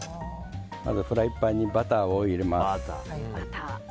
フライパンにバターを入れます。